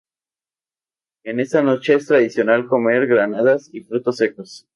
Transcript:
En esta noche es tradicional comer granadas y frutos secos.